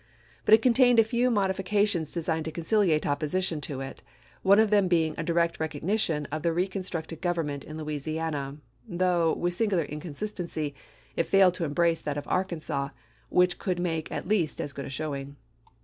But it contained a few modifications designed to conciliate opposition to it, one of them being a direct recognition of the reconstructed government in Louisiana; though, with singular inconsistency, it failed to embrace that of Arkansas, which could make at least as good a showing.